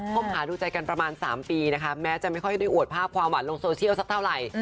คบหาดูใจกันประมาณ๓ปีนะคะแม้จะไม่ค่อยได้อวดภาพความหวานลงโซเชียลสักเท่าไหร่